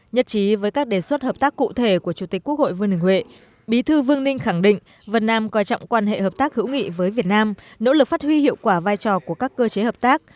nhất trí với các đề xuất hợp tác cụ thể của chủ tịch quốc hội vương đình huệ bí thư vương ninh khẳng định vân nam coi trọng quan hệ hợp tác hữu nghị với việt nam nỗ lực phát huy hiệu quả vai trò của các cơ chế hợp tác